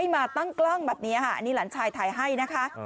มาตั้งกล้องแบบนี้ค่ะอันนี้หลานชายถ่ายให้นะคะ